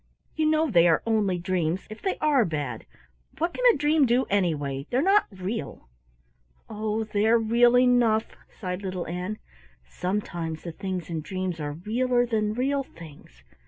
"You know they are only dreams if they are bad. What can a dream do, anyway? They're not real." "Oh, they're real enough," sighed little Ann. "Sometimes the things in dreams are real er than real things.